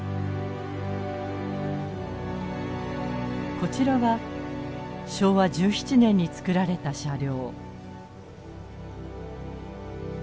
こちらは昭和１７年につくられた車両。